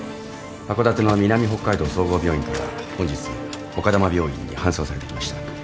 函館の南北海道総合病院から本日丘珠病院に搬送されてきました。